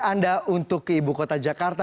anda untuk ke ibu kota jakarta